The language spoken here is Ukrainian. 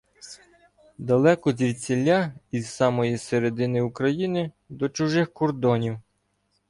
Далеко звідсіля, із самої середини України, до чужих кордонів.